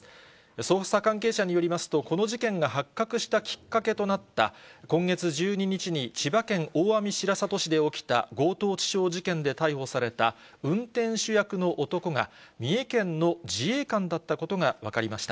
捜査関係者によりますと、この事件が発覚したきっかけとなった、今月１２日に千葉県大網白里市で起きた強盗致傷事件で逮捕された運転手役の男が、三重県の自衛官だったことが分かりました。